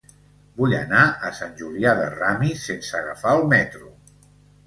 Vull anar a Sant Julià de Ramis sense agafar el metro.